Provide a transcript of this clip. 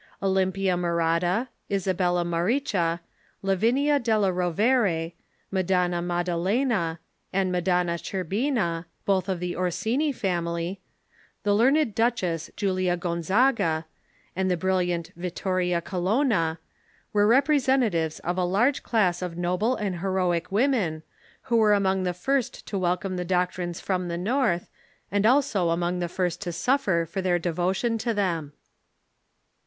Olympia Morata, Isabella Mauricha, Lavinia della Rovere, Madonna Maddelena, and Madonna Cherbina (both of the Or sini family), the learned duchess Julia Gonzaga, and the brill iant Vittoria Colonna, were representatives of a large class of noble and heroic women, who were among the first to welcome the doctrines from the North, and also among the first to suffer for their devotion to them.